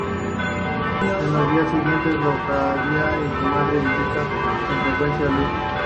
En los días siguientes, Leocadia y su madre visitan con frecuencia a Luis.